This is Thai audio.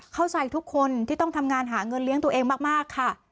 เข้าใจทุกคนที่ต้องทำงานหาเงินเลี้ยงตัวเองมากค่ะ